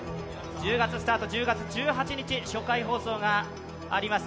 １０月スタート、１０月１８日、初回放送があります